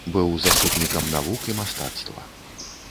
Быў заступнікам навук і мастацтва.